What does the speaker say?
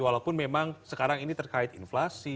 walaupun memang sekarang ini terkait inflasi